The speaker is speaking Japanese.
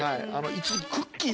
一時期くっきー！